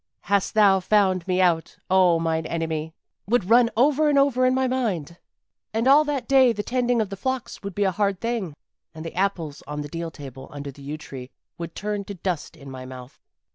'Hast thou found me out, oh, mine enemy!' would run over and over in my mind. And all that day the tending of the flocks would be a hard thing, and the apples on the deal table under the yew tree would turn to dust in my mouth."